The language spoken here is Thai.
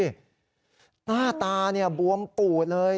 หน้าตาบวมปูดเลย